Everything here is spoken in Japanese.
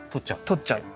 とっちゃう。